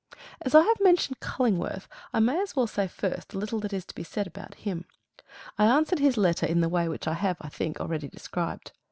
As I have mentioned Cullingworth, I may as well say first the little that is to be said about him. I answered his letter in the way which I have, I think, already described.